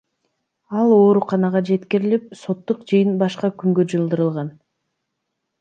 Ал ооруканага жеткирилип, соттук жыйын башка күнгө жылдырылган.